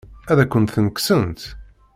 Ad akent-tent-kksent?